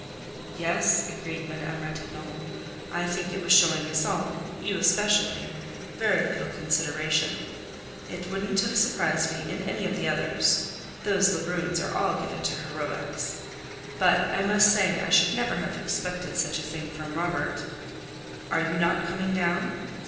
"Yes," agreed Madame Ratignolle. "I think it was showing us all—you especially—very little consideration. It wouldn't have surprised me in any of the others; those Lebruns are all given to heroics. But I must say I should never have expected such a thing from Robert. Are you not coming down?